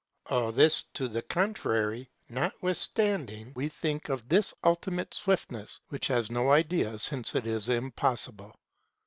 All this to the contrary notwithstanding, we think of this ultimate swiftness which has no idea since it is impossible.